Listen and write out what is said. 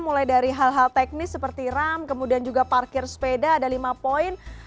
mulai dari hal hal teknis seperti ram kemudian juga parkir sepeda ada lima poin